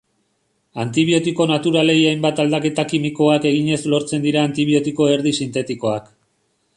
Antibiotiko naturalei hainbat aldaketa kimikoak eginez lortzen dira antibiotiko erdi-sintetikoak.